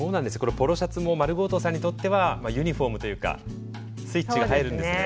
ポロシャツもｍａｒｕｇｏ−ｔｏさんにとってはユニフォームというかスイッチが入るんですね。